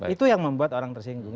itu yang membuat orang tersinggung